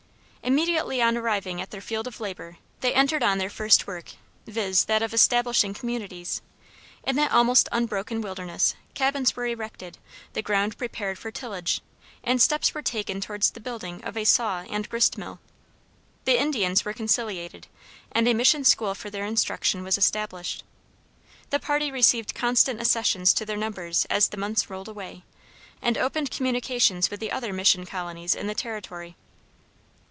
Immediately on arriving at their field of labor they entered on their first work, viz.: that of establishing communities. In that almost unbroken wilderness, cabins were erected, the ground prepared for tillage, and steps were taken towards the building of a saw and grist mill. The Indians were conciliated, and a mission school for their instruction was established. The party received constant accessions to their numbers as the months rolled away, and opened communication with the other mission colonies in the territory.